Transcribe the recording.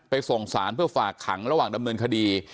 ส่งสารเพื่อฝากขังระหว่างดำเนินคดี